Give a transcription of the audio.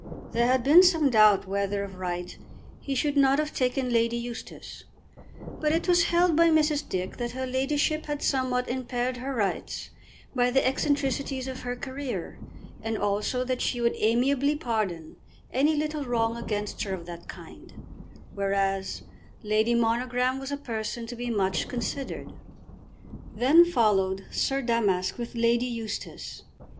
There had been some doubt whether of right he should not have taken Lady Eustace, but it was held by Mrs. Dick that her ladyship had somewhat impaired her rights by the eccentricities of her career, and also that she would amiably pardon any little wrong against her of that kind, whereas Lady Monogram was a person to be much considered. Then followed Sir Damask with Lady Eustace.